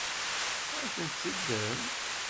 Ad tent-teddem?